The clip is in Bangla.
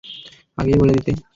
আগেই বলে দিতে।